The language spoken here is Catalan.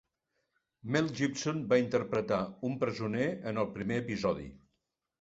Mel Gibson va interpretar un presoner en el primer episodi.